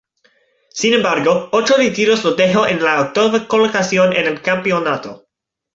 Sin embargo, ocho retiros lo dejó en la octava colocación en el campeonato.